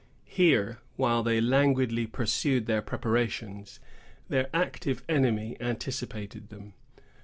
Here, while they languidly pursued their preparations, their active enemy anticipated them.